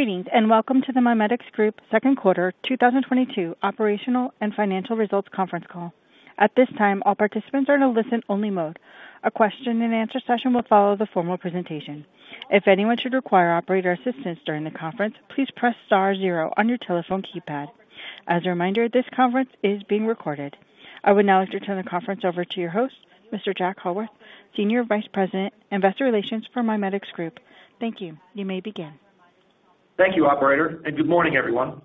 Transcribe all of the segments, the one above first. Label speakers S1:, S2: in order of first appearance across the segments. S1: Greetings, and welcome to the MIMEDX Group second quarter 2022 operational and financial results conference call. At this time, all participants are in a listen-only mode. A question-and-answer session will follow the formal presentation. If anyone should require operator assistance during the conference, please press star zero on your telephone keypad. As a reminder, this conference is being recorded. I would now like to turn the conference over to your host, Mr. Jack Howarth, Senior Vice President, Investor Relations for MIMEDX Group. Thank you. You may begin.
S2: Thank you, operator, and good morning, everyone.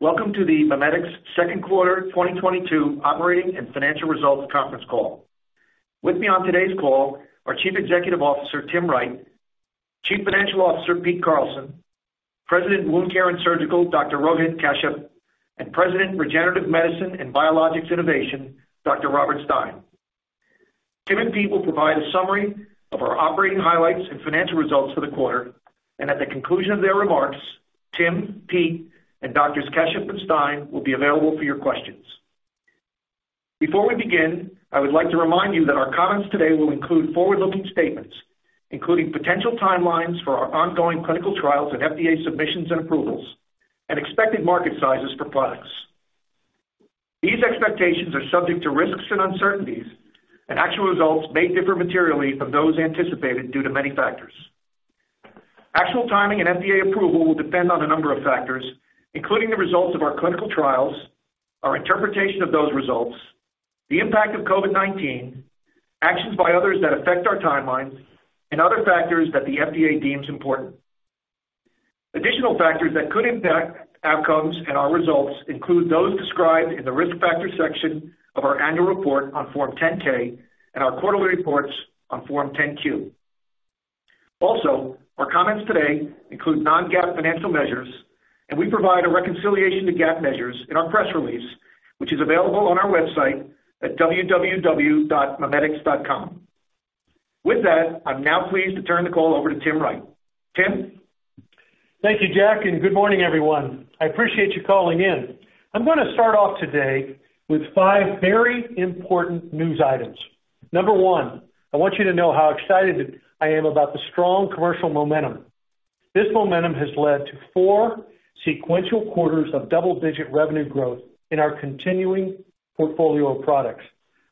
S2: Welcome to the MIMEDX second quarter 2022 operating and financial results conference call. With me on today's call are Chief Executive Officer, Tim Wright, Chief Financial Officer, Pete Carlson, President, Wound Care and Surgical, Dr. Rohit Kashyap, and President, Regenerative Medicine and Biologics Innovation, Dr. Robert Stein. Tim and Pete will provide a summary of our operating highlights and financial results for the quarter, and at the conclusion of their remarks, Tim, Pete, and Dr. Kashyap and Dr. Stein will be available for your questions. Before we begin, I would like to remind you that our comments today will include forward-looking statements, including potential timelines for our ongoing clinical trials and FDA submissions and approvals and expected market sizes for products. These expectations are subject to risks and uncertainties, and actual results may differ materially from those anticipated due to many factors. Actual timing and FDA approval will depend on a number of factors, including the results of our clinical trials, our interpretation of those results, the impact of COVID-19, actions by others that affect our timeline, and other factors that the FDA deems important. Additional factors that could impact outcomes and our results include those described in the Risk Factors section of our annual report on Form 10-K and our quarterly reports on Form 10-Q. Also, our comments today include non-GAAP financial measures, and we provide a reconciliation to GAAP measures in our press release, which is available on our website at www.mimedx.com. With that, I'm now pleased to turn the call over to Tim Wright. Tim?
S3: Thank you, Jack, and good morning, everyone. I appreciate you calling in. I'm gonna start off today with five very important news items. Number one, I want you to know how excited I am about the strong commercial momentum. This momentum has led to four sequential quarters of double-digit revenue growth in our continuing portfolio of products.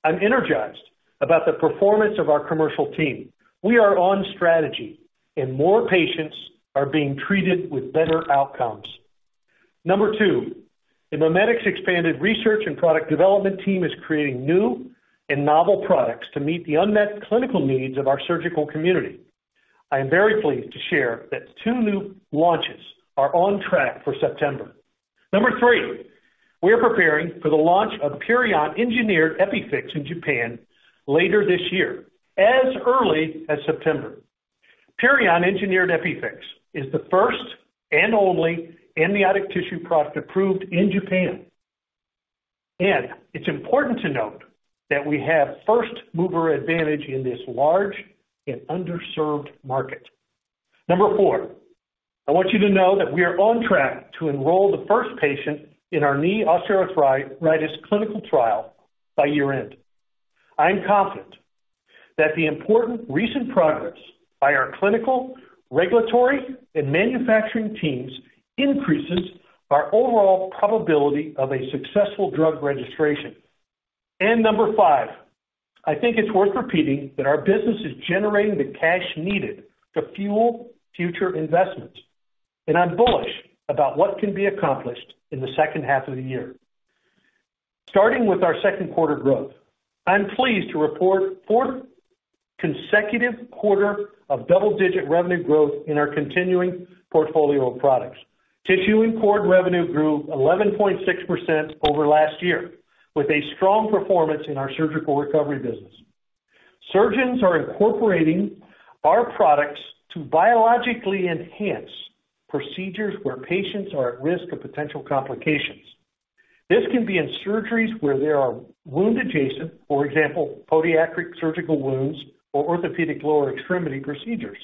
S3: I'm energized about the performance of our commercial team. We are on strategy and more patients are being treated with better outcomes. Number two, the MIMEDX expanded research and product development team is creating new and novel products to meet the unmet clinical needs of our surgical community. I am very pleased to share that two new launches are on track for September. Number three, we are preparing for the launch of PURION-engineered EPIFIX in Japan later this year, as early as September. PURION-engineered EPIFIX is the first and only amniotic tissue product approved in Japan. It's important to note that we have first mover advantage in this large and underserved market. Number four, I want you to know that we are on track to enroll the first patient in our knee osteoarthritis clinical trial by year-end. I am confident that the important recent progress by our clinical, regulatory, and manufacturing teams increases our overall probability of a successful drug registration. Number five, I think it's worth repeating that our business is generating the cash needed to fuel future investments, and I'm bullish about what can be accomplished in the second half of the year. Starting with our second quarter growth, I'm pleased to report fourth consecutive quarter of double-digit revenue growth in our continuing portfolio of products. Tissue and cord revenue grew 11.6% over last year, with a strong performance in our surgical recovery business. Surgeons are incorporating our products to biologically enhance procedures where patients are at risk of potential complications. This can be in surgeries where there are wound adjacent, for example, podiatric surgical wounds or orthopedic lower extremity procedures,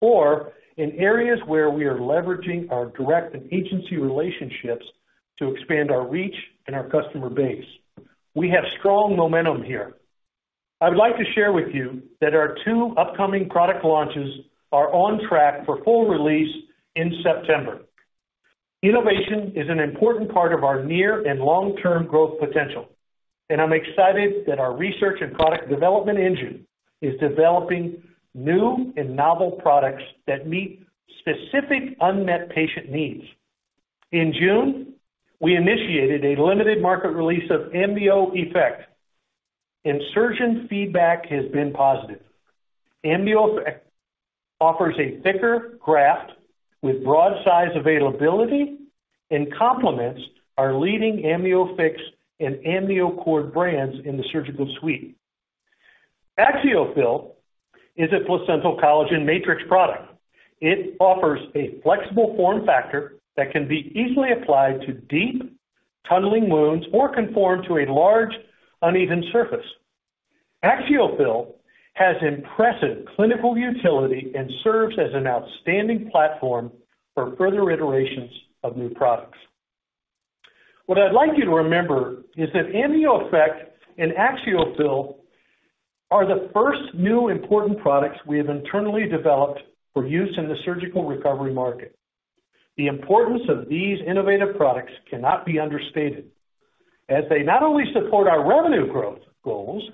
S3: or in areas where we are leveraging our direct and agency relationships to expand our reach and our customer base. We have strong momentum here. I would like to share with you that our two upcoming product launches are on track for full release in September. Innovation is an important part of our near and long-term growth potential, and I'm excited that our research and product development engine is developing new and novel products that meet specific unmet patient needs. In June, we initiated a limited market release of AMNIOEFFECT, and surgeon feedback has been positive. AMNIOEFFECT offers a thicker graft with broad size availability and complements our leading AMNIOFIX and AMNIOCORD brands in the surgical suite. AXIOFILL is a placental collagen matrix product. It offers a flexible form factor that can be easily applied to deep tunneling wounds or conform to a large, uneven surface. AXIOFILL has impressive clinical utility and serves as an outstanding platform for further iterations of new products. What I'd like you to remember is that AMNIOEFFECT and AXIOFILL are the first new important products we have internally developed for use in the surgical recovery market. The importance of these innovative products cannot be understated as they not only support our revenue growth goals,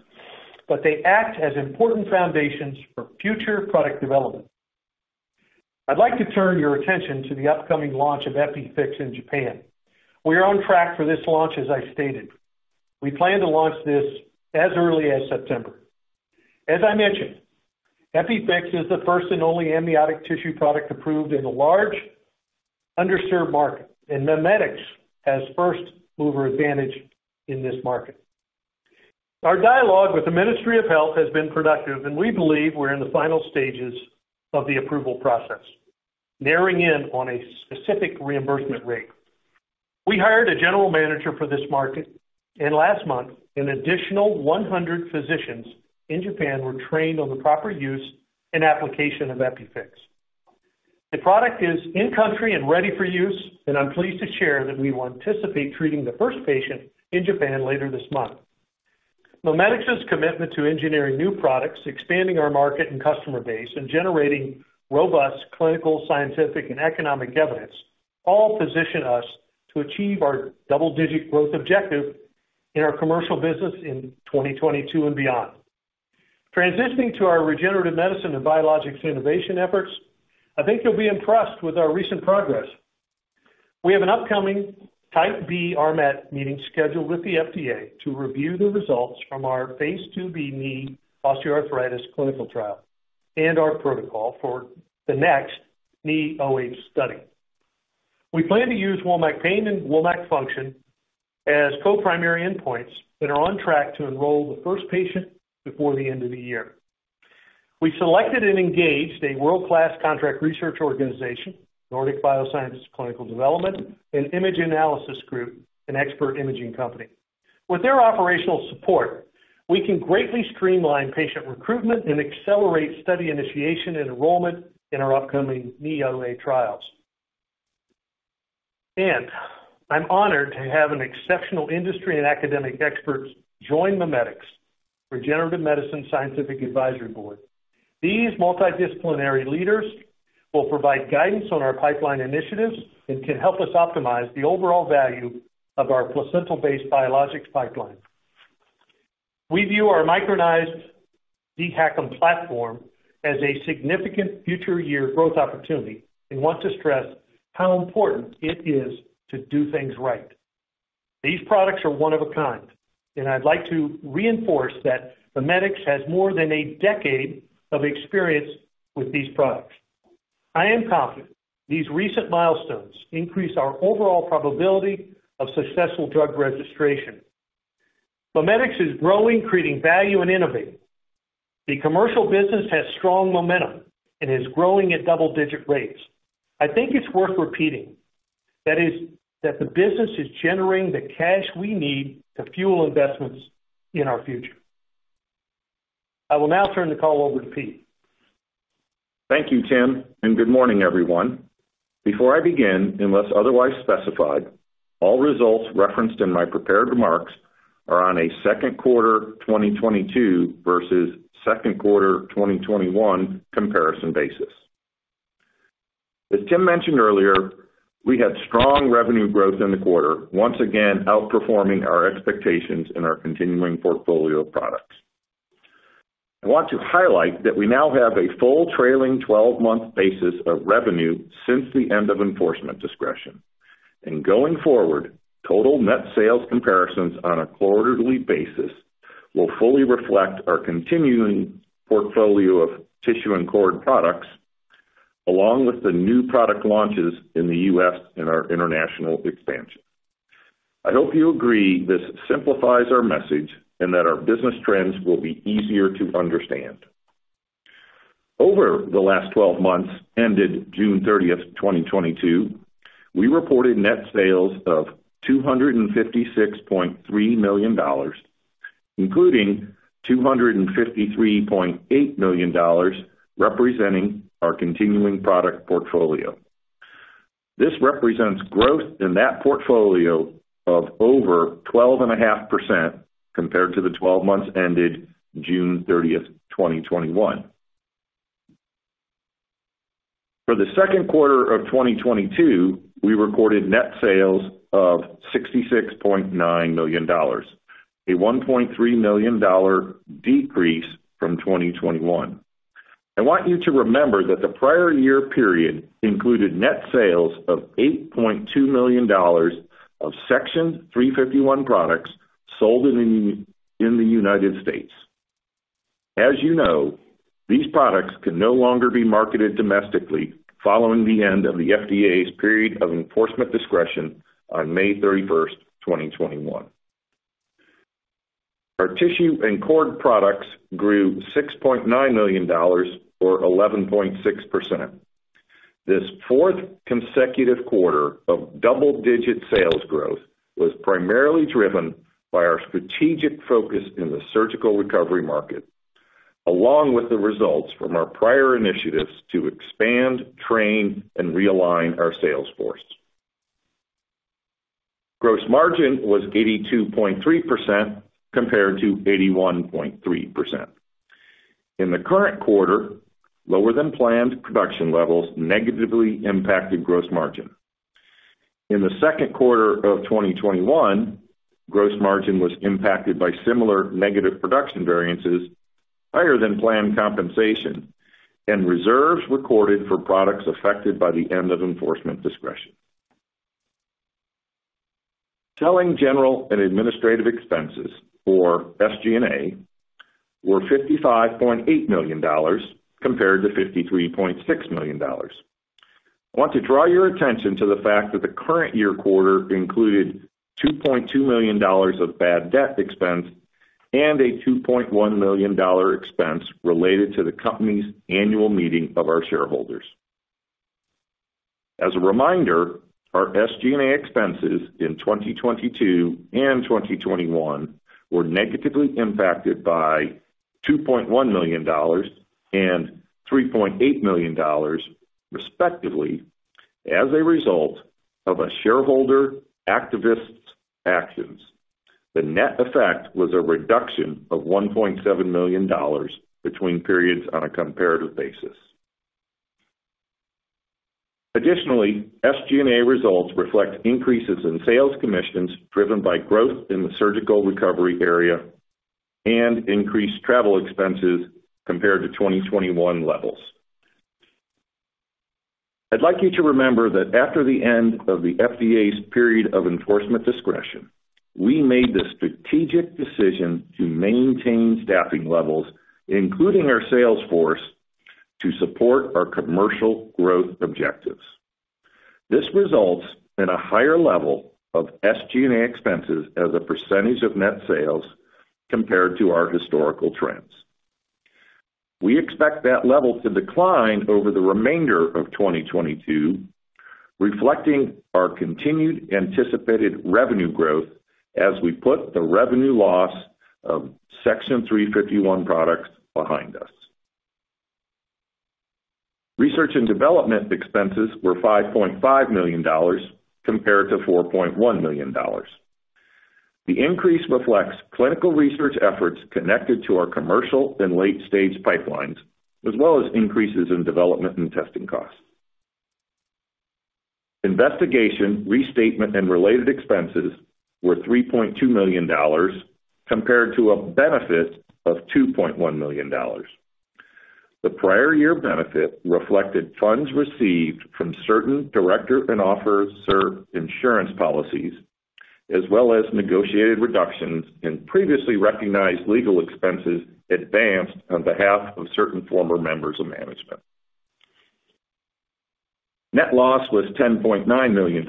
S3: but they act as important foundations for future product development. I'd like to turn your attention to the upcoming launch of EPIFIX in Japan. We are on track for this launch, as I stated. We plan to launch this as early as September. As I mentioned, EPIFIX is the first and only amniotic tissue product approved in a large underserved market, and MIMEDX has first mover advantage in this market. Our dialogue with the Ministry of Health has been productive, and we believe we're in the final stages of the approval process, narrowing in on a specific reimbursement rate. We hired a general manager for this market, and last month, an additional 100 physicians in Japan were trained on the proper use and application of EPIFIX. The product is in country and ready for use, and I'm pleased to share that we anticipate treating the first patient in Japan later this month. MIMEDX's commitment to engineering new products, expanding our market and customer base, and generating robust clinical, scientific, and economic evidence all position us to achieve our double-digit growth objective in our commercial business in 2022 and beyond. Transitioning to our regenerative medicine and biologics innovation efforts, I think you'll be impressed with our recent progress. We have an upcoming Type B RMAT meeting scheduled with the FDA to review the results from our phase IIb knee osteoarthritis clinical trial and our protocol for the next knee OA study. We plan to use WOMAC pain and WOMAC function as co-primary endpoints and are on track to enroll the first patient before the end of the year. We selected and engaged a world-class contract research organization, Nordic Bioscience Clinical Development, an Image Analysis Group, an expert imaging company. With their operational support, we can greatly streamline patient recruitment and accelerate study initiation and enrollment in our upcoming knee OA trials. I'm honored to have an exceptional industry and academic experts join MIMEDX Regenerative Medicine Scientific Advisory Board. These multidisciplinary leaders will provide guidance on our pipeline initiatives and can help us optimize the overall value of our placental-based biologics pipeline. We view our Micronized dHACM platform as a significant future year growth opportunity and want to stress how important it is to do things right. These products are one of a kind, and I'd like to reinforce that MIMEDX has more than a decade of experience with these products. I am confident these recent milestones increase our overall probability of successful drug registration. MIMEDX is growing, creating value, and innovating. The commercial business has strong momentum and is growing at double-digit rates. I think it's worth repeating, that is that the business is generating the cash we need to fuel investments in our future. I will now turn the call over to Pete.
S4: Thank you, Tim, and good morning, everyone. Before I begin, unless otherwise specified, all results referenced in my prepared remarks are on a second quarter 2022 versus second quarter 2021 comparison basis. As Tim mentioned earlier, we had strong revenue growth in the quarter, once again outperforming our expectations in our continuing portfolio of products. I want to highlight that we now have a full trailing 12-month basis of revenue since the end of enforcement discretion. Going forward, total net sales comparisons on a quarterly basis will fully reflect our continuing portfolio of tissue and cord products, along with the new product launches in the U.S. and our international expansion. I hope you agree this simplifies our message and that our business trends will be easier to understand. Over the last 12 months ended June 30th, 2022, we reported net sales of $256.3 million, including $253.8 million representing our continuing product portfolio. This represents growth in that portfolio of over 12.5% compared to the 12 months ended June 30th, 2021. For the second quarter of 2022, we recorded net sales of $66.9 million, a $1.3 million decrease from 2021. I want you to remember that the prior year period included net sales of $8.2 million of Section 351 products sold in the United States. As you know, these products can no longer be marketed domestically following the end of the FDA's period of enforcement discretion on May 31st, 2021. Our tissue and cord products grew $6.9 million or 11.6%. This fourth consecutive quarter of double-digit sales growth was primarily driven by our strategic focus in the surgical recovery market, along with the results from our prior initiatives to expand, train, and realign our sales force. Gross margin was 82.3% compared to 81.3%. In the current quarter, lower than planned production levels negatively impacted gross margin. In the second quarter of 2021, gross margin was impacted by similar negative production variances, higher than planned compensation, and reserves recorded for products affected by the end of enforcement discretion. Selling, general, and administrative expenses, or SG&A, were $55.8 million compared to $53.6 million. I want to draw your attention to the fact that the current year quarter included $2.2 million of bad debt expense and a $2.1 million expense related to the company's annual meeting of our shareholders. As a reminder, our SG&A expenses in 2022 and 2021 were negatively impacted by $2.1 million and $3.8 million respectively as a result of a shareholder activist's actions. The net effect was a reduction of $1.7 million between periods on a comparative basis. Additionally, SG&A results reflect increases in sales commissions driven by growth in the surgical recovery area and increased travel expenses compared to 2021 levels. I'd like you to remember that after the end of the FDA's period of enforcement discretion, we made the strategic decision to maintain staffing levels, including our sales force, to support our commercial growth objectives. This results in a higher level of SG&A expenses as a percentage of net sales compared to our historical trends. We expect that level to decline over the remainder of 2022, reflecting our continued anticipated revenue growth as we put the revenue loss of Section 351 products behind us. Research and development expenses were $5.5 million compared to $4.1 million. The increase reflects clinical research efforts connected to our commercial and late-stage pipelines, as well as increases in development and testing costs. Investigation, restatement, and related expenses were $3.2 million compared to a benefit of $2.1 million. The prior year benefit reflected funds received from certain director and officers' insurance policies, as well as negotiated reductions in previously recognized legal expenses advanced on behalf of certain former members of management. Net loss was $10.9 million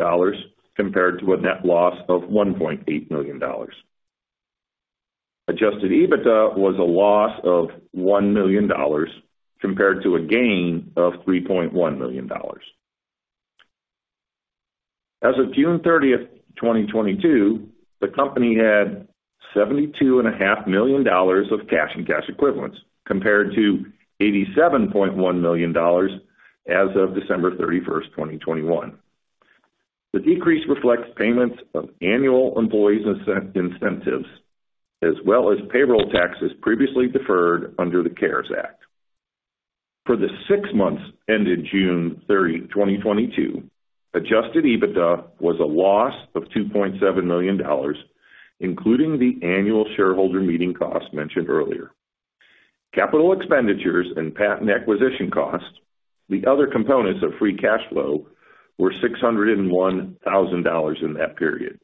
S4: compared to a net loss of $1.8 million. Adjusted EBITDA was a loss of $1 million compared to a gain of $3.1 million. As of June 30, 2022, the company had $72.5 million of cash and cash equivalents compared to $87.1 million as of December 31, 2021. The decrease reflects payments of annual employee incentives as well as payroll taxes previously deferred under the CARES Act. For the six months ended June 30, 2022, adjusted EBITDA was a loss of $2.7 million, including the annual shareholder meeting cost mentioned earlier. Capital expenditures and patent acquisition costs, the other components of free cash flow, were $601,000 in that period.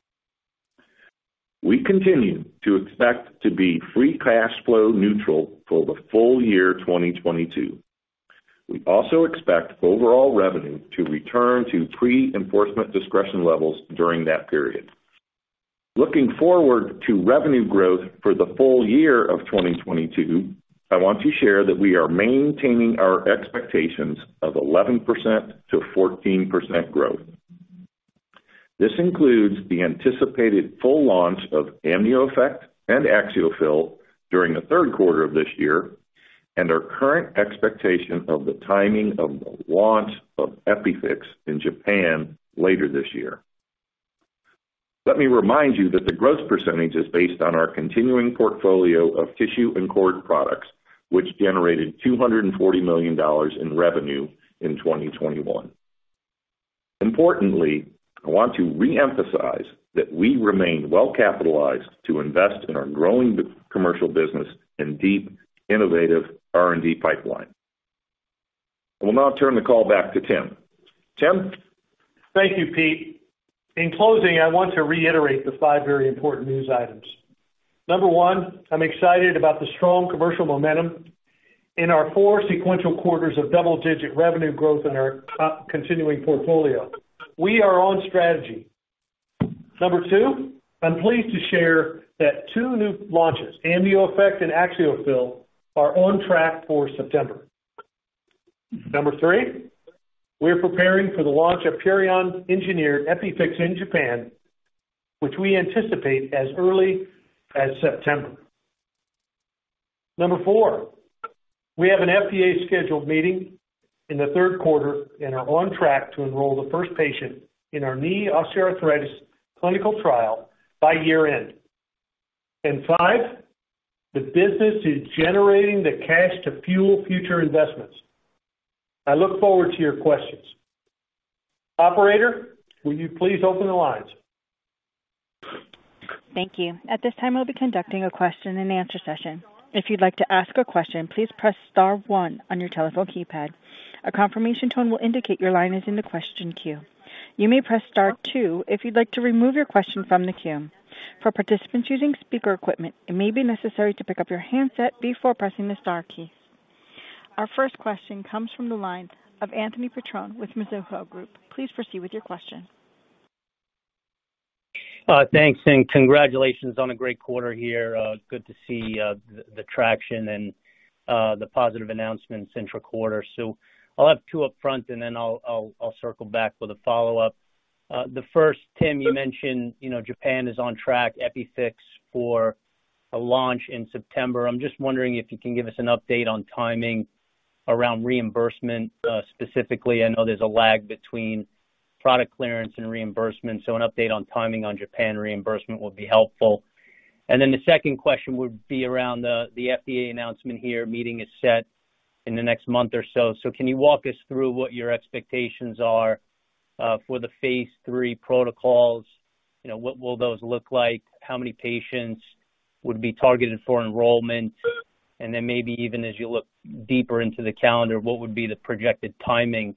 S4: We continue to expect to be free cash flow neutral for the full year, 2022. We also expect overall revenue to return to pre-enforcement discretion levels during that period. Looking forward to revenue growth for the full year of 2022, I want to share that we are maintaining our expectations of 11% to 14% growth. This includes the anticipated full launch of AMNIOFIX and AXIOFILL during the third quarter of this year and our current expectation of the timing of the launch of EPIFIX in Japan later this year. Let me remind you that the growth percentage is based on our continuing portfolio of tissue and cord products, which generated $240 million in revenue in 2021. Importantly, I want to reemphasize that we remain well-capitalized to invest in our growing commercial business and deep innovative R&D pipeline. I will now turn the call back to Tim. Tim?
S3: Thank you, Pete. In closing, I want to reiterate the five very important news items. Number one, I'm excited about the strong commercial momentum in our four sequential quarters of double-digit revenue growth in our core continuing portfolio. We are on strategy. Number two, I'm pleased to share that two new launches, AMNIOFIX and AXIOFILL, are on track for September. Number three, we are preparing for the launch of PURION-engineered EPIFIX in Japan, which we anticipate as early as September. Number four, we have an FDA scheduled meeting in the third quarter and are on track to enroll the first patient in our knee osteoarthritis clinical trial by year-end. Five, the business is generating the cash to fuel future investments. I look forward to your questions. Operator, will you please open the lines?
S1: Thank you. At this time, we'll be conducting a question-and-answer session. If you'd like to ask a question, please press star one on your telephone keypad. A confirmation tone will indicate your line is in the question queue. You may press star two if you'd like to remove your question from the queue. For participants using speaker equipment, it may be necessary to pick up your handset before pressing the star key. Our first question comes from the line of Anthony Petrone with Mizuho Group. Please proceed with your question.
S5: Thanks, and congratulations on a great quarter here. Good to see the traction and the positive announcements intra-quarter. I'll have two upfront, and then I'll circle back with a follow-up. The first, Tim, you mentioned, you know, Japan is on track, EPIFIX for a launch in September. I'm just wondering if you can give us an update on timing around reimbursement specifically. I know there's a lag between product clearance and reimbursement, so an update on timing on Japan reimbursement would be helpful. Then the second question would be around the FDA announcement here. Meeting is set in the next month or so. Can you walk us through what your expectations are for the phase III protocols? You know, what will those look like? How many patients would be targeted for enrollment? Maybe even as you look deeper into the calendar, what would be the projected timing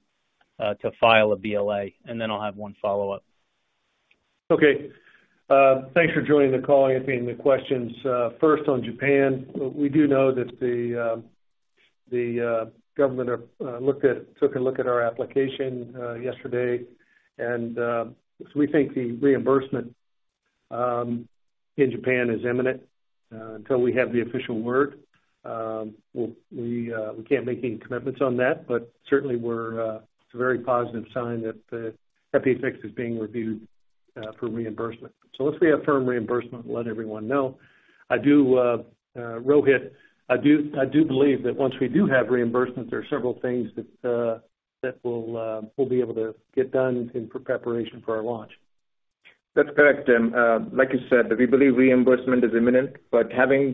S5: to file a BLA? I'll have one follow-up.
S3: Okay. Thanks for joining the call and taking the questions. First on Japan, we do know that the government have took a look at our application yesterday. We think the reimbursement in Japan is imminent. Until we have the official word, we can't make any commitments on that, but certainly it's a very positive sign that the EPIFIX is being reviewed for reimbursement. Once we have firm reimbursement, we'll let everyone know. Rohit, I do believe that once we do have reimbursement, there are several things that we'll be able to get done in preparation for our launch.
S6: That's correct, Tim. Like you said, we believe reimbursement is imminent, but having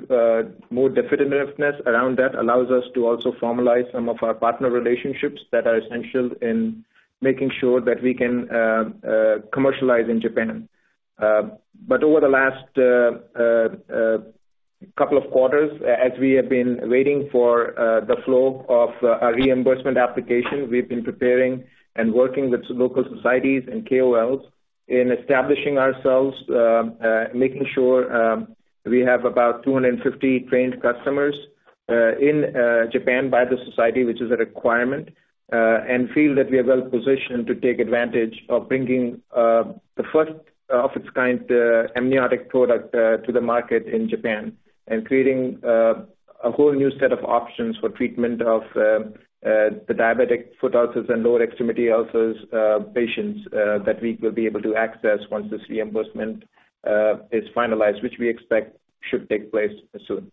S6: more definitiveness around that allows us to also formalize some of our partner relationships that are essential in making sure that we can commercialize in Japan. Over the last couple of quarters, as we have been waiting for the flow of our reimbursement application, we've been preparing and working with local societies and KOLs in establishing ourselves, making sure we have about 250 trained customers in Japan by the society, which is a requirement, and feel that we are well positioned to take advantage of bringing the first of its kind amniotic product to the market in Japan and creating a whole new set of options for treatment of the diabetic foot ulcers and lower extremity ulcers patients that we will be able to access once this reimbursement is finalized, which we expect should take place soon.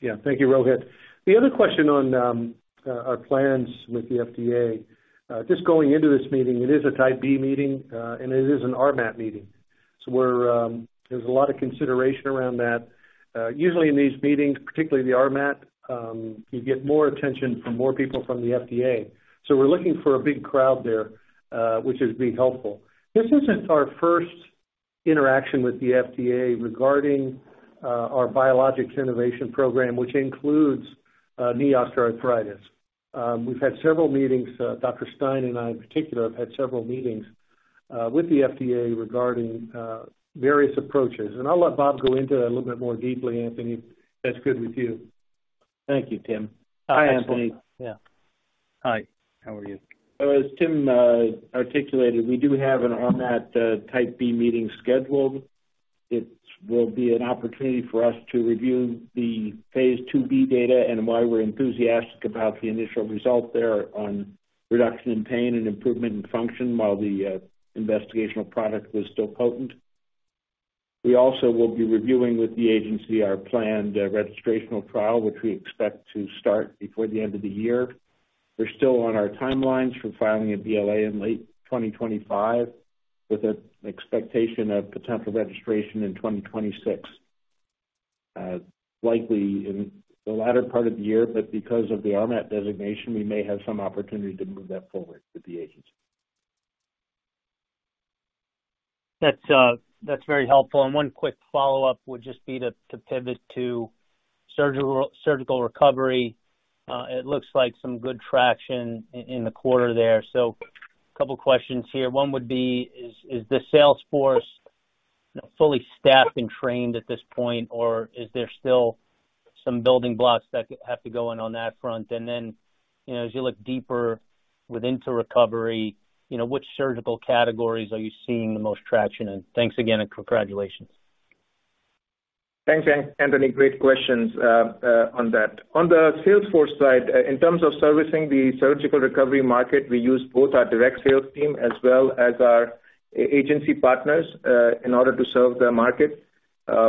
S3: Yeah. Thank you, Rohit. The other question on our plans with the FDA. Just going into this meeting, it is a Type B meeting, and it is an RMAT meeting. There's a lot of consideration around that. Usually in these meetings, particularly the RMAT, you get more attention from more people from the FDA. We're looking for a big crowd there, which is being helpful. This isn't our first interaction with the FDA regarding our biologics innovation program, which includes knee osteoarthritis. We've had several meetings. Dr. Stein and I in particular have had several meetings with the FDA regarding various approaches. I'll let Bob go into that a little bit more deeply, Anthony, if that's good with you.
S7: Thank you, Tim. Hi, Anthony.
S5: Yeah. Hi. How are you?
S7: As Tim articulated, we do have an RMAT Type B meeting scheduled. It will be an opportunity for us to review the phase IIb data and why we're enthusiastic about the initial result there on reduction in pain and improvement in function while the investigational product was still potent. We also will be reviewing with the agency our planned registrational trial, which we expect to start before the end of the year. We're still on our timelines for filing a BLA in late 2025, with an expectation of potential registration in 2026, likely in the latter part of the year. Because of the RMAT designation, we may have some opportunity to move that forward with the agency.
S5: That's very helpful. One quick follow-up would just be to pivot to surgical recovery. It looks like some good traction in the quarter there. A couple questions here. One would be, is the sales force fully staffed and trained at this point, or is there still some building blocks that have to go in on that front? And then, you know, as you look deeper within to recovery, you know, which surgical categories are you seeing the most traction in? Thanks again, and congratulations.
S6: Thanks, Anthony. Great questions on that. On the sales force side, in terms of servicing the surgical recovery market, we use both our direct sales team as well as our agency partners in order to serve the market.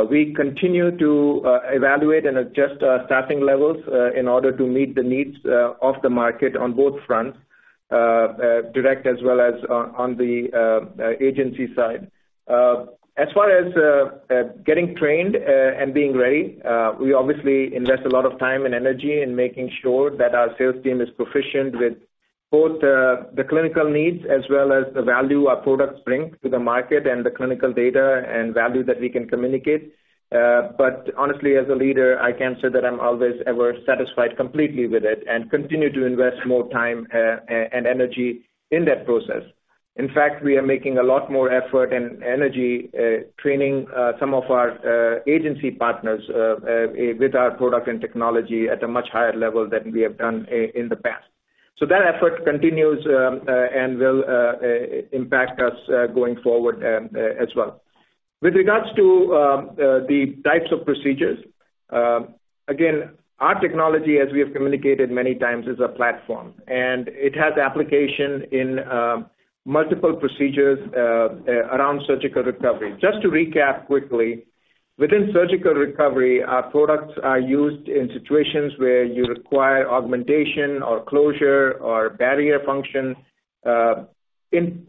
S6: We continue to evaluate and adjust our staffing levels in order to meet the needs of the market on both fronts, direct as well as on the agency side. As far as getting trained and being ready, we obviously invest a lot of time and energy in making sure that our sales team is proficient with both the clinical needs as well as the value our products bring to the market and the clinical data and value that we can communicate. Honestly, as a leader, I can't say that I'm always ever satisfied completely with it and continue to invest more time and energy in that process. In fact, we are making a lot more effort and energy training some of our agency partners with our product and technology at a much higher level than we have done in the past. That effort continues and will impact us going forward as well. With regards to the types of procedures, again, our technology, as we have communicated many times, is a platform, and it has application in multiple procedures around surgical recovery. Just to recap quickly, within surgical recovery, our products are used in situations where you require augmentation or closure or barrier function in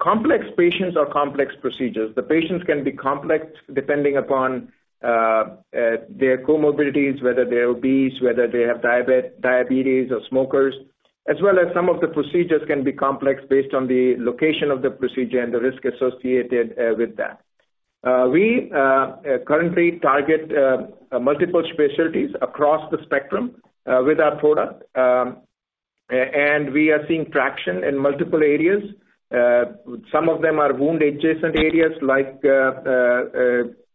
S6: complex patients or complex procedures. The patients can be complex depending upon their comorbidities, whether they're obese, whether they have diabetes or smokers, as well as some of the procedures can be complex based on the location of the procedure and the risk associated with that. We currently target multiple specialties across the spectrum with our product and we are seeing traction in multiple areas. Some of them are wound adjacent areas like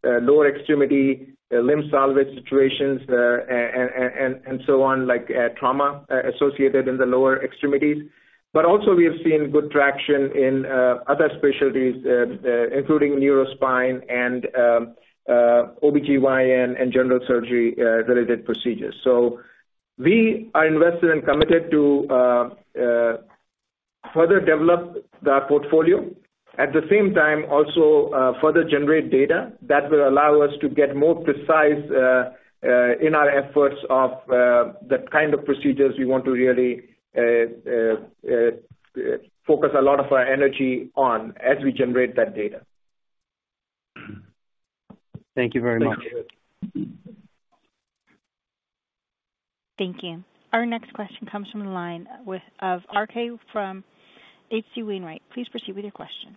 S6: lower extremity limb salvage situations and so on, like trauma associated in the lower extremities. Also we have seen good traction in other specialties including neuro spine and OBGYN and general surgery related procedures. We are invested and committed to further develop that portfolio. At the same time, also, further generate data that will allow us to get more precise in our efforts of the kind of procedures we want to really focus a lot of our energy on as we generate that data.
S5: Thank you very much.
S6: Thank you.
S1: Thank you. Our next question comes from the line of RK with H.C. Wainwright. Please proceed with your question.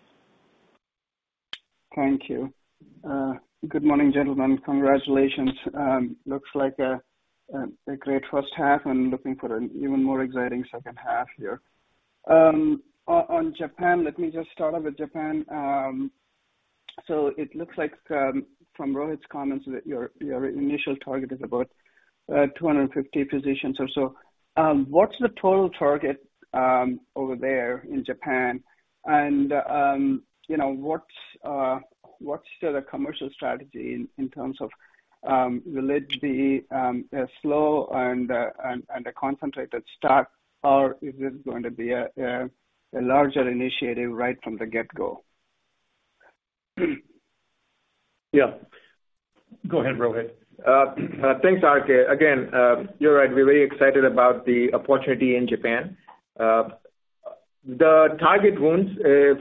S8: Thank you. Good morning, gentlemen. Congratulations. Looks like a great first half and looking for an even more exciting second half here. On Japan, let me just start off with Japan. So it looks like, from Rohit's comments that your initial target is about 250 physicians or so. What's the total target over there in Japan? You know, what's the commercial strategy in terms of, will it be a slow and a concentrated start, or is it going to be a larger initiative right from the get-go?
S6: Yeah.
S3: Go ahead, Rohit.
S6: Thanks, RK. Again, you're right. We're very excited about the opportunity in Japan. The target wounds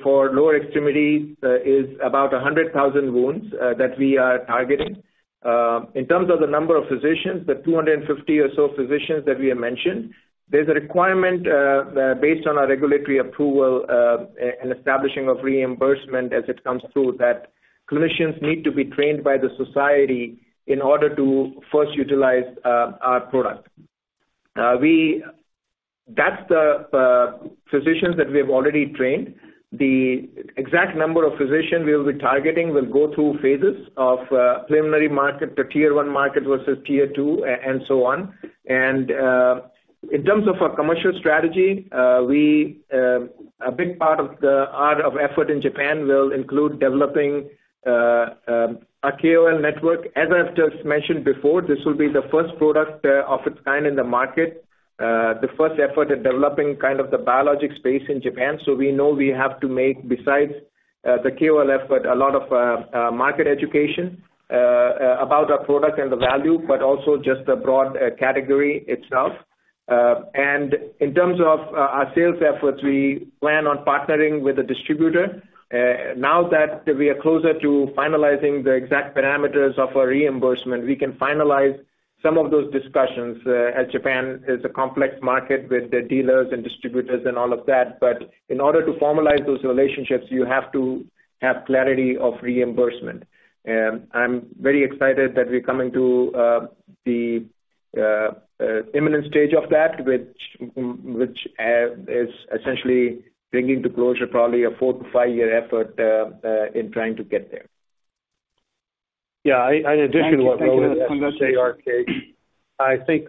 S6: for lower extremities is about 100,000 wounds that we are targeting. In terms of the number of physicians, the 250 or so physicians that we have mentioned, there's a requirement based on our regulatory approval and establishing of reimbursement as it comes through, that clinicians need to be trained by the society in order to first utilize our product. That's the physicians that we have already trained. The exact number of physicians we'll be targeting will go through phases of preliminary market to tier one market versus tier two and so on. In terms of our commercial strategy, a big part of our effort in Japan will include developing a KOL network. As I've just mentioned before, this will be the first product of its kind in the market, the first effort at developing kind of the biologic space in Japan. We know we have to make, besides the KOL effort, a lot of market education about our product and the value, but also just the broad category itself. In terms of our sales efforts, we plan on partnering with a distributor. Now that we are closer to finalizing the exact parameters of our reimbursement, we can finalize some of those discussions, as Japan is a complex market with the dealers and distributors and all of that. In order to formalize those relationships, you have to have clarity of reimbursement. I'm very excited that we're coming to the imminent stage of that which is essentially bringing to closure probably a 4-year to 5-year effort in trying to get there.
S3: Yeah. In addition to what Rohit has to say, RK. I think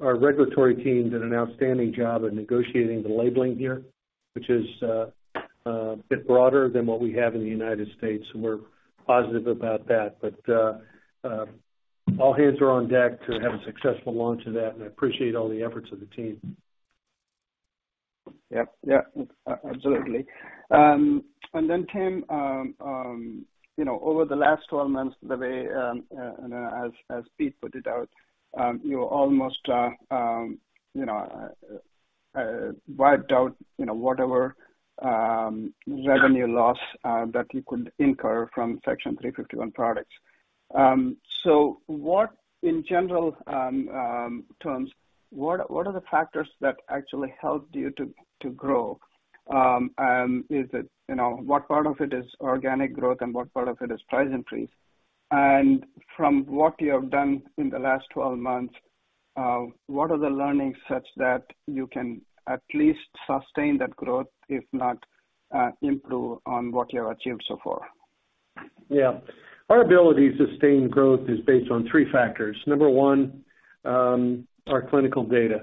S3: our regulatory team did an outstanding job of negotiating the labeling here, which is a bit broader than what we have in the United States, and we're positive about that. All hands are on deck to have a successful launch of that, and I appreciate all the efforts of the team.
S8: Yep. Yep, absolutely. Then Tim, you know, over the last 12 months, the way, and as Pete put it out, you almost wiped out, you know, whatever revenue loss that you could incur from Section 351 products. What in general terms are the factors that actually helped you to grow? Is it, you know, what part of it is organic growth and what part of it is price increase? From what you have done in the last 12 months, what are the learnings such that you can at least sustain that growth, if not improve on what you have achieved so far?
S3: Yeah. Our ability to sustain growth is based on three factors. Number one, our clinical data.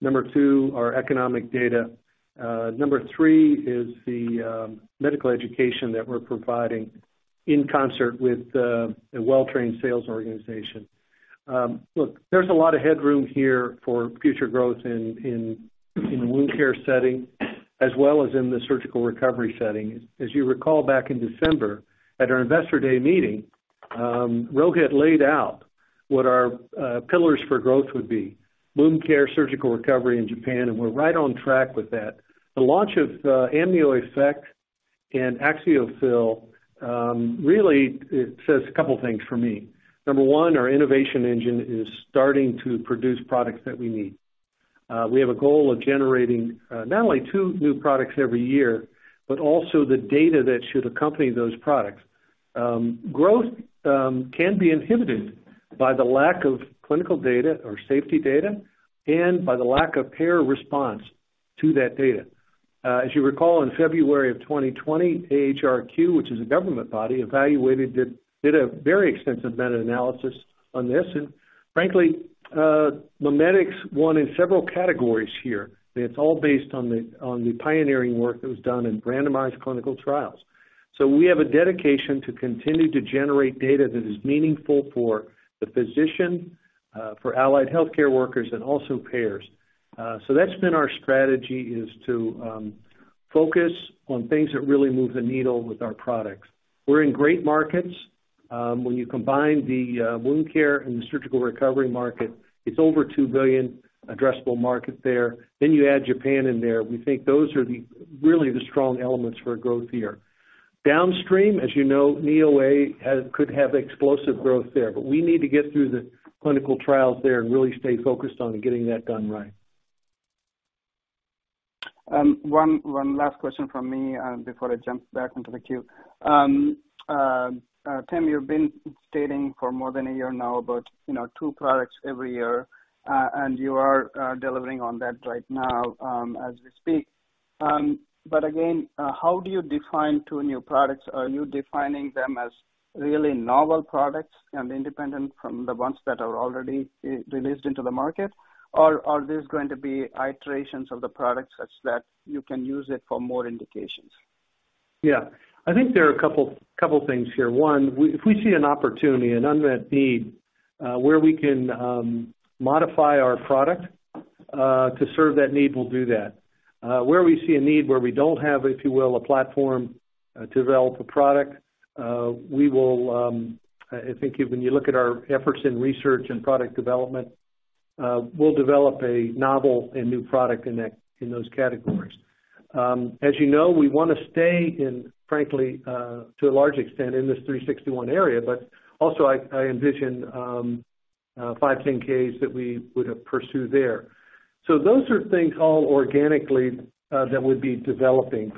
S3: Number two, our economic data. Number three is the medical education that we're providing in concert with a well-trained sales organization. Look, there's a lot of headroom here for future growth in wound care setting as well as in the surgical recovery setting. As you recall, back in December at our Investor Day meeting, Rohit laid out what our pillars for growth would be. Wound care, surgical recovery in Japan, and we're right on track with that. The launch of AMNIOEFFECT and AXIOFILL really it says a couple things for me. Number one, our innovation engine is starting to produce products that we need. We have a goal of generating not only two new products every year, but also the data that should accompany those products. Growth can be inhibited by the lack of clinical data or safety data and by the lack of payer response to that data. As you recall, in February of 2020, AHRQ, which is a government body, evaluated it, did a very extensive meta-analysis on this. Frankly, MIMEDX won in several categories here. It's all based on the pioneering work that was done in randomized clinical trials. We have a dedication to continue to generate data that is meaningful for the physician, for allied healthcare workers, and also payers. That's been our strategy, is to focus on things that really move the needle with our products. We're in great markets. When you combine the wound care and the surgical recovery market, it's over $2 billion addressable market there. You add Japan in there. We think those are really the strong elements for growth here. Downstream, as you know, knee OA could have explosive growth there, but we need to get through the clinical trials there and really stay focused on getting that done right.
S8: One last question from me before I jump back into the queue. Tim, you've been stating for more than a year now about, you know, two products every year. You are delivering on that right now, as we speak. Again, how do you define two new products? Are you defining them as really novel products and independent from the ones that are already released into the market? Or are these going to be iterations of the products such that you can use it for more indications?
S3: Yeah. I think there are a couple things here. One, if we see an opportunity, an unmet need, where we can modify our product to serve that need, we'll do that. Where we see a need where we don't have, if you will, a platform to develop a product, we will. I think if, when you look at our efforts in research and product development, we'll develop a novel and new product in that, in those categories. As you know, we wanna stay in, frankly, to a large extent in this Section 361 area. Also I envision 510(k)s that we would have pursued there. Those are things all organically that we'd be developing.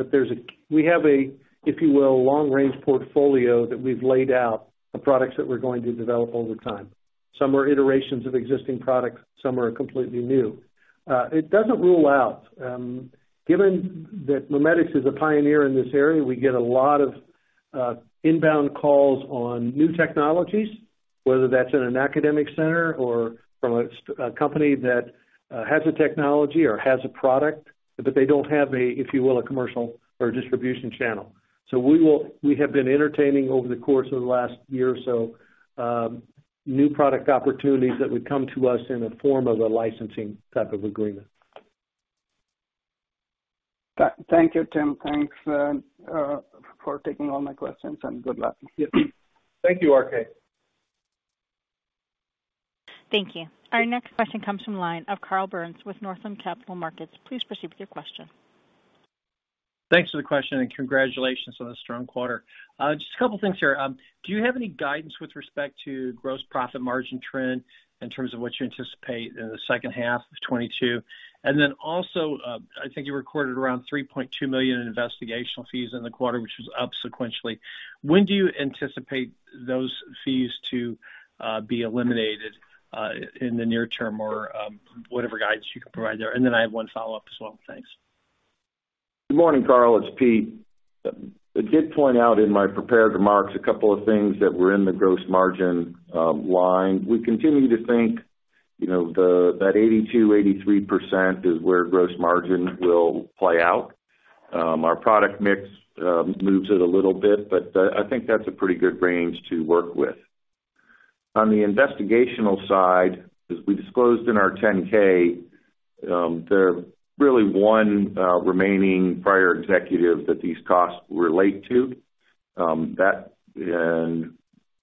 S3: We have a, if you will, long range portfolio that we've laid out the products that we're going to develop over time. Some are iterations of existing products, some are completely new. It doesn't rule out, given that MIMEDX is a pioneer in this area, we get a lot of inbound calls on new technologies, whether that's in an academic center or from a company that has a technology or has a product, but they don't have a, if you will, a commercial or a distribution channel. We have been entertaining over the course of the last year or so, new product opportunities that would come to us in the form of a licensing type of agreement.
S8: Thank you, Tim. Thanks for taking all my questions, and good luck.
S3: Yep. Thank you, RK.
S1: Thank you. Our next question comes from line of Carl Byrnes with Northland Capital Markets. Please proceed with your question.
S9: Thanks for the question, and congratulations on the strong quarter. Just a couple things here. Do you have any guidance with respect to gross profit margin trend in terms of what you anticipate in the second half of 2022? I think you recorded around $3.2 million in investigational fees in the quarter, which was up sequentially. When do you anticipate those fees to be eliminated in the near term or whatever guidance you can provide there? I have one follow-up as well. Thanks.
S4: Good morning, Carl, it's Pete. I did point out in my prepared remarks a couple of things that were in the gross margin line. We continue to think, you know, that 82% to 83% is where gross margin will play out. Our product mix moves it a little bit, but I think that's a pretty good range to work with. On the investigational side, as we disclosed in our 10-K, there's really one remaining prior executive that these costs relate to,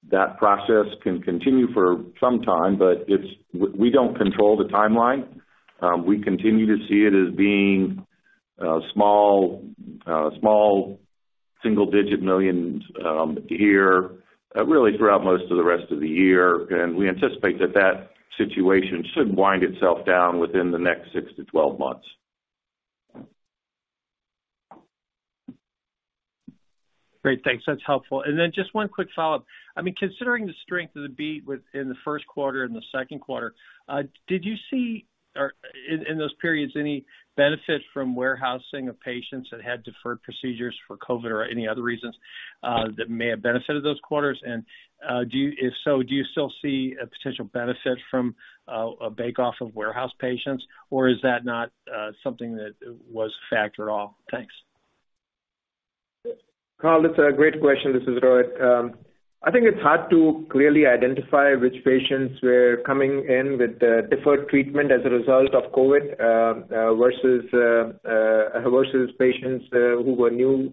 S4: that process can continue for some time, but we don't control the timeline. We continue to see it as being small single-digit millions here really throughout most of the rest of the year. We anticipate that situation should wind itself down within the next six to 12 months.
S9: Great. Thanks. That's helpful. Then just one quick follow-up. I mean, considering the strength of the beat within the first quarter and the second quarter, did you see, in those periods, any benefit from warehousing of patients that had deferred procedures for COVID or any other reasons, that may have benefited those quarters? If so, do you still see a potential benefit from a backlog of warehoused patients, or is that not something that was a factor at all? Thanks.
S6: Carl, it's a great question. This is Rohit. I think it's hard to clearly identify which patients were coming in with deferred treatment as a result of COVID versus patients who were new.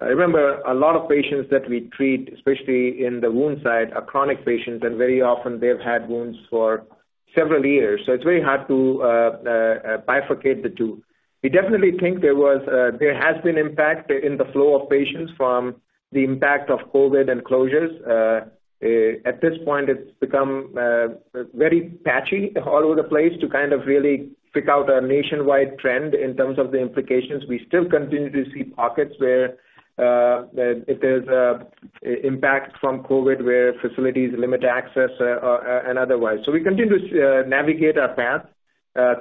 S6: Remember, a lot of patients that we treat, especially in the wound side, are chronic patients, and very often they've had wounds for several years, so it's very hard to bifurcate the two. We definitely think there has been impact in the flow of patients from the impact of COVID and closures. At this point, it's become very patchy all over the place to kind of really pick out a nationwide trend in terms of the implications. We still continue to see pockets where there's an impact from COVID, where facilities limit access, and otherwise. We continue to navigate our path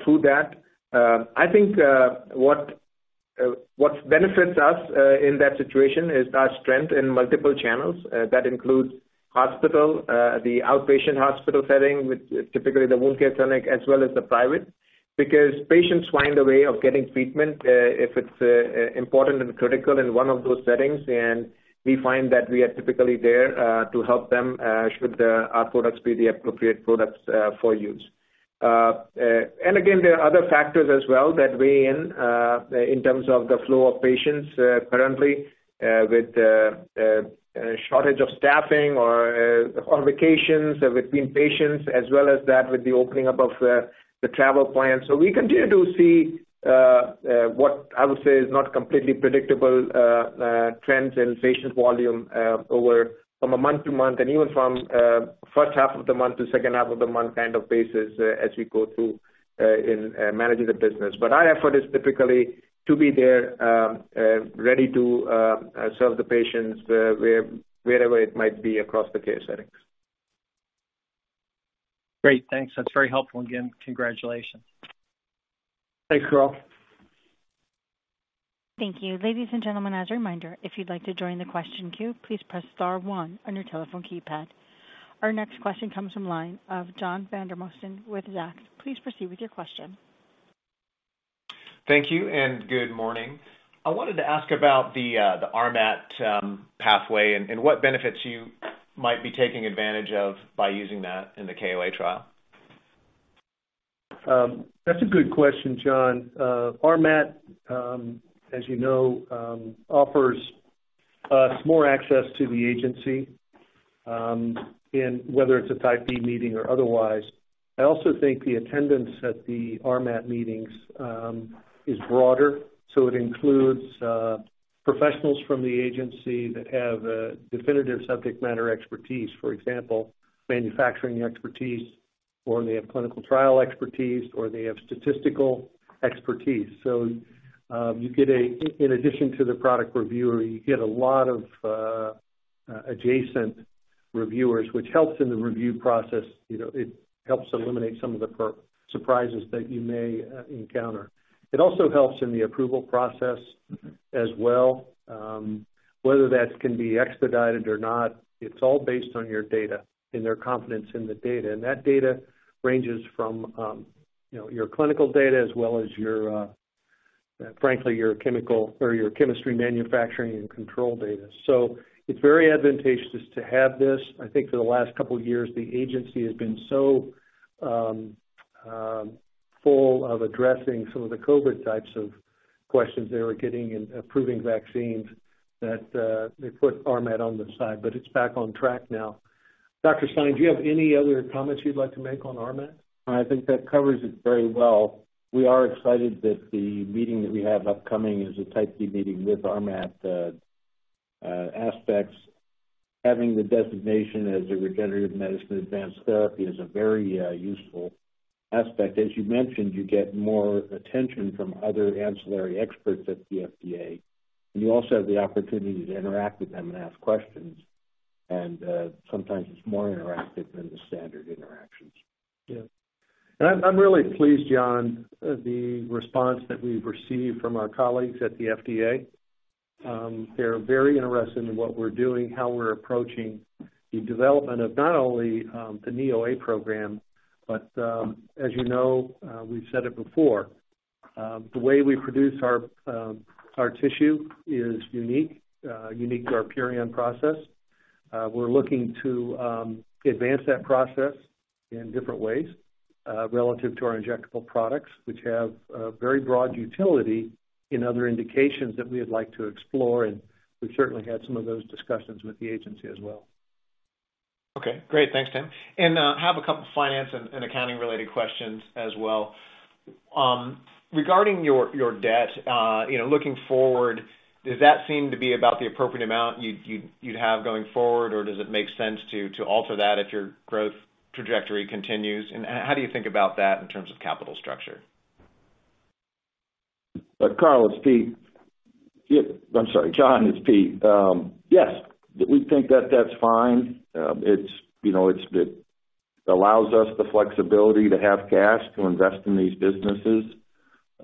S6: through that. I think what benefits us in that situation is our strength in multiple channels that includes hospital, the outpatient hospital setting, which is typically the wound care clinic, as well as the private, because patients find a way of getting treatment if it's important and critical in one of those settings. We find that we are typically there to help them should our products be the appropriate products for use. Again, there are other factors as well that weigh in in terms of the flow of patients currently with the shortage of staffing or on vacations between patients as well as that with the opening up of the travel plans. We continue to see what I would say is not completely predictable trends in patient volume from a month to month and even from first half of the month to second half of the month kind of basis as we go through in managing the business. Our effort is typically to be there ready to serve the patients wherever it might be across the care settings.
S9: Great. Thanks. That's very helpful. Again, congratulations.
S3: Thanks, Carl.
S1: Thank you. Ladies and gentlemen, as a reminder, if you'd like to join the question queue, please press star one on your telephone keypad. Our next question comes from the line of John Vandermosten with Zacks. Please proceed with your question.
S10: Thank you and good morning. I wanted to ask about the RMAT pathway and what benefits you might be taking advantage of by using that in the KOA trial.
S3: That's a good question, John. RMAT, as you know, offers us more access to the agency, in whether it's a Type B meeting or otherwise. I also think the attendance at the RMAT meetings is broader. It includes professionals from the agency that have definitive subject matter expertise, for example, manufacturing expertise, or they have clinical trial expertise, or they have statistical expertise. You get, in addition to the product reviewer, a lot of adjacent reviewers, which helps in the review process. You know, it helps eliminate some of the surprises that you may encounter. It also helps in the approval process as well. Whether that can be expedited or not, it's all based on your data and their confidence in the data. That data ranges from, you know, your clinical data as well as your, frankly, your chemistry manufacturing and control data. It's very advantageous to have this. I think for the last couple of years, the agency has been so full of addressing some of the COVID types of questions they were getting in approving vaccines that they put RMAT on the side, but it's back on track now. Dr. Stein, do you have any other comments you'd like to make on RMAT?
S7: I think that covers it very well. We are excited that the meeting that we have upcoming is a Type B meeting with RMAT aspects. Having the designation as a regenerative medicine advanced therapy is a very useful aspect. As you mentioned, you get more attention from other ancillary experts at the FDA, and you also have the opportunity to interact with them and ask questions. Sometimes it's more interactive than the standard interactions.
S3: Yeah. I'm really pleased, John, with the response that we've received from our colleagues at the FDA. They're very interested in what we're doing, how we're approaching the development of not only the knee OA program, but as you know, we've said it before, the way we produce our tissue is unique to our PURION process. We're looking to advance that process in different ways relative to our injectable products, which have a very broad utility in other indications that we would like to explore, and we've certainly had some of those discussions with the agency as well.
S10: Okay, great. Thanks, Tim. Have a couple finance and accounting related questions as well. Regarding your debt, you know, looking forward, does that seem to be about the appropriate amount you'd have going forward, or does it make sense to alter that if your growth trajectory continues? How do you think about that in terms of capital structure?
S4: Carl, it's Pete. I'm sorry, John, it's Pete. Yes, we think that that's fine. It's, you know, it allows us the flexibility to have cash to invest in these businesses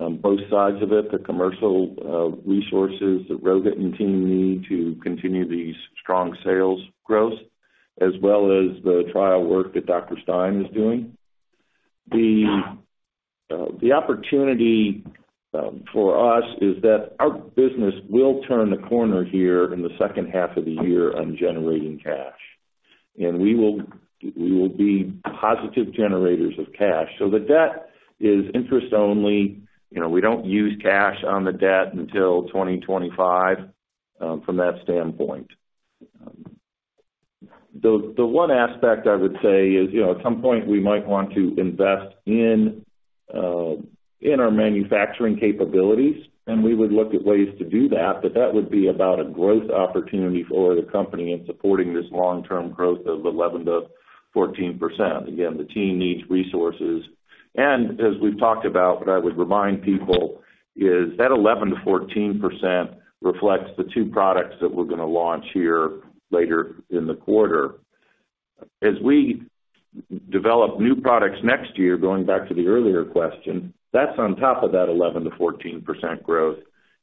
S4: on both sides of it, the commercial resources that Rohit and team need to continue these strong sales growth, as well as the trial work that Dr. Stein is doing. The opportunity for us is that our business will turn the corner here in the second half of the year on generating cash. We will be positive generators of cash. The debt is interest only. You know, we don't use cash on the debt until 2025, from that standpoint. The one aspect I would say is, you know, at some point we might want to invest in our manufacturing capabilities, and we would look at ways to do that, but that would be about a growth opportunity for the company in supporting this long-term growth of 11% to 14%. Again, the team needs resources. As we've talked about, what I would remind people is that 11% to 14% reflects the two products that we're gonna launch here later in the quarter. As we develop new products next year, going back to the earlier question, that's on top of that 11% to 14% growth.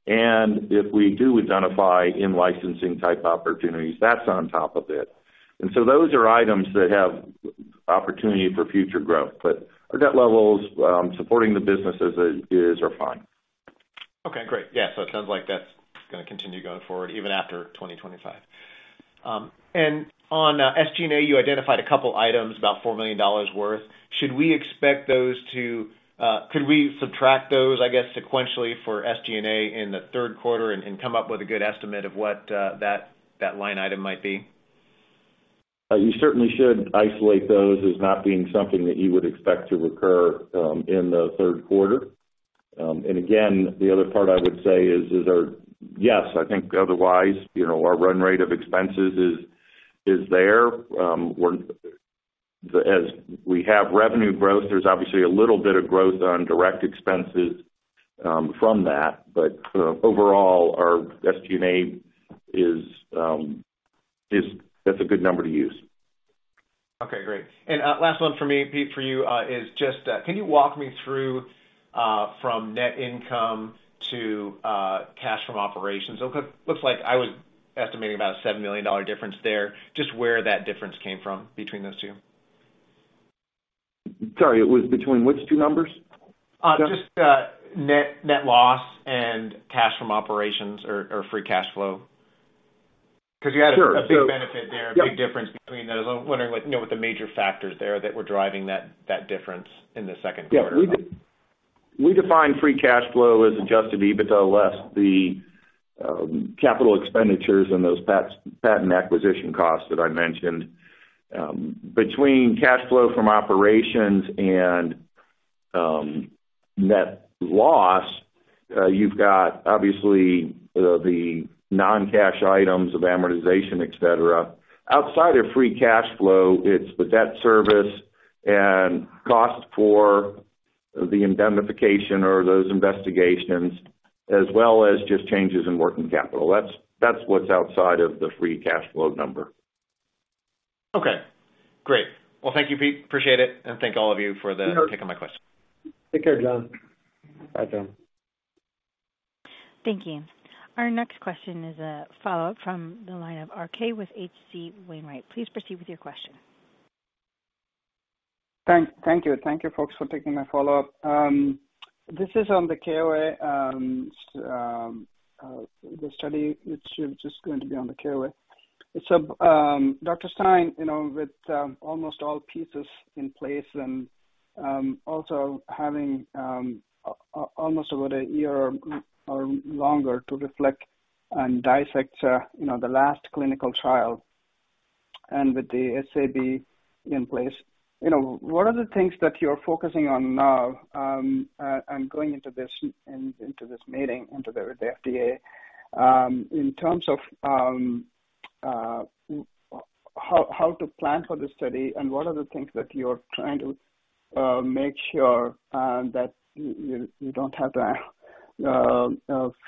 S4: If we do identify in-licensing type opportunities, that's on top of it. Those are items that have opportunity for future growth. But our debt levels, supporting the business as it is, are fine.
S10: Okay, great. Yeah, so it sounds like that's gonna continue going forward even after 2025. On SG&A, you identified a couple items, about $4 million worth. Could we subtract those, I guess, sequentially for SG&A in the third quarter and come up with a good estimate of what that line item might be?
S4: You certainly should isolate those as not being something that you would expect to recur in the third quarter. Again, the other part I would say is our run rate of expenses. Yes, I think otherwise, you know, our run rate of expenses is there. As we have revenue growth, there's obviously a little bit of growth on direct expenses from that. Overall, our SG&A is. That's a good number to use.
S10: Okay, great. Last one from me, Pete, for you, is just, can you walk me through from net income to cash from operations? Looks like I was estimating about a $7 million difference there, just where that difference came from between those two.
S4: Sorry, it was between which two numbers?
S10: Just net loss and cash from operations or free cash flow.
S4: Sure.
S10: 'Cause you had a big benefit there.
S4: Yeah.
S10: A big difference between those. I'm wondering like, you know, what the major factors there that were driving that difference in the second quarter.
S4: Yeah. We define free cash flow as adjusted EBITDA less the capital expenditures and those patent acquisition costs that I mentioned. Between cash flow from operations and net loss, you've got obviously the non-cash items of amortization, et cetera. Outside of free cash flow, it's the debt service and cost for the indemnification or those investigations, as well as just changes in working capital. That's what's outside of the free cash flow number.
S10: Okay, great. Well, thank you, Pete. Appreciate it, and thank all of you for the.
S4: Sure.
S10: taking my questions.
S3: Take care, John.
S4: Bye, John.
S1: Thank you. Our next question is a follow-up from the line of RK with H.C. Wainwright. Please proceed with your question.
S8: Thank you. Thank you, folks, for taking my follow-up. This is on the KOA, the study which is just going to be on the KOA. Dr. Stein, you know, with almost all pieces in place and also having almost over a year or longer to reflect and dissect, you know, the last clinical trial and with the SAB in place, you know, what are the things that you're focusing on now and going into this meeting with the FDA, in terms of how to plan for the study and what are the things that you're trying to make sure that you don't have to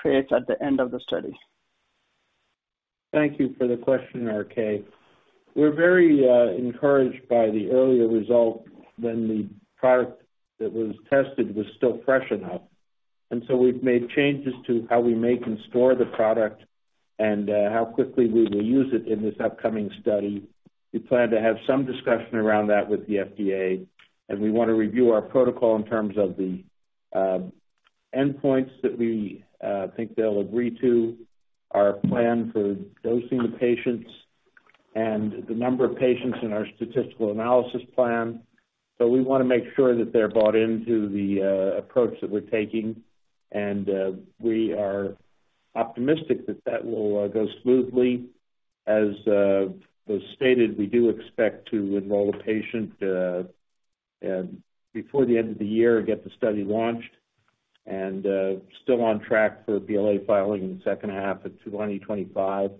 S8: face at the end of the study?
S7: Thank you for the question, RK. We're very encouraged by the earlier result when the product that was tested was still fresh enough. We've made changes to how we make and store the product and how quickly we will use it in this upcoming study. We plan to have some discussion around that with the FDA, and we wanna review our protocol in terms of the endpoints that we think they'll agree to, our plan for dosing the patients and the number of patients in our statistical analysis plan. We wanna make sure that they're bought into the approach that we're taking, and we are optimistic that that will go smoothly. As was stated, we do expect to enroll a patient before the end of the year and get the study launched. Still on track for BLA filing in the second half of 2025,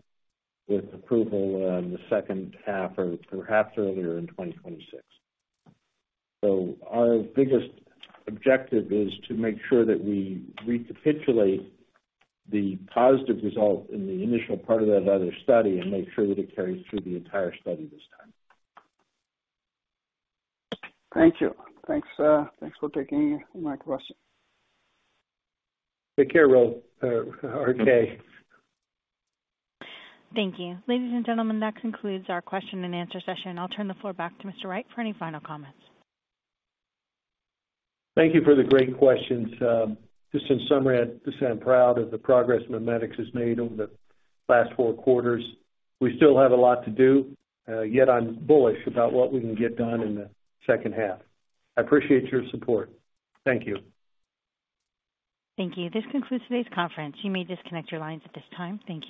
S7: with approval in the second half or perhaps earlier in 2026. Our biggest objective is to make sure that we recapitulate the positive result in the initial part of that other study and make sure that it carries through the entire study this time.
S8: Thank you. Thanks for taking my question.
S7: Take care, RK.
S1: Thank you. Ladies and gentlemen, that concludes our question-and-answer session. I'll turn the floor back to Mr. Wright for any final comments.
S3: Thank you for the great questions. Just in summary, I'm proud of the progress MIMEDX has made over the last four quarters. We still have a lot to do, yet I'm bullish about what we can get done in the second half. I appreciate your support. Thank you.
S1: Thank you. This concludes today's conference. You may disconnect your lines at this time. Thank you.